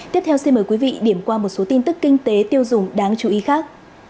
tiếp theo xin mời quý vị điểm qua một số tin tức kinh tế tiêu dùng đáng chú ý khác